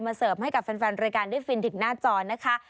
มาเสิร์ฟให้กับแฟนรายการด้วยฟินดิกหน้าจรนะคะ